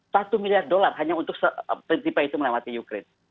satu miliar dolar hanya untuk tipe itu melewati ukraine